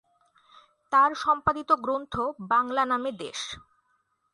তার সম্পাদিত গ্রন্থ বাংলা নামে দেশ।